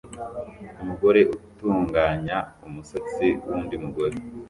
Umugore utunganya umusatsi wundi mugore